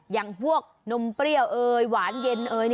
อย่างพวกนมเปรี้ยวเอยหวานเย็น